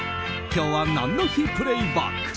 今日は何の日プレイバック！